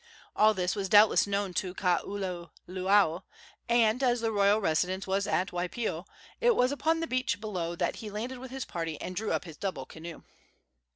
All this was doubtless known to Kaululaau, and, as the royal residence was at Waipio, it was upon the beach below it that he landed with his party and drew up his double canoe.